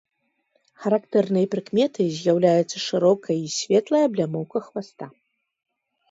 Характэрнай прыкметай з'яўляецца шырокая і светлая аблямоўка хваста.